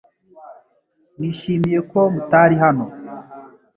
Nishimiye ko mutari hano .